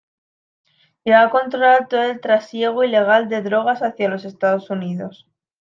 Llegó a controlar todo el trasiego ilegal de drogas hacia los Estados Unidos.